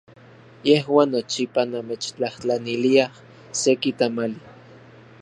Yejuan nochipa namechtlajtlaniliaj seki tamali.